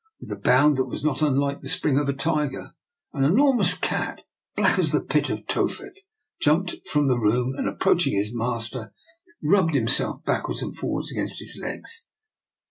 With a bound that was not unlike the spring of a tiger, an enormous cat, black as the Pit of Tophet, jumped from the room, and, approaching his master, rubbed himself backwards and forwards against his legs.